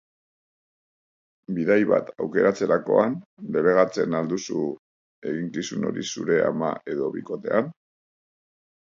Bidai bat aukeratzerakoan delegatzen al duzu eginkizun hori zure ama edo bikotean?